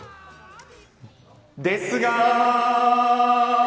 ですが。